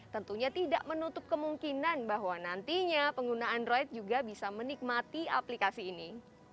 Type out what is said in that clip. tentunya tidak menutup kemungkinan bahwa nantinya pengguna android juga bisa menikmati aplikasi ini